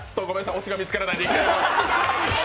オチが見つからないので。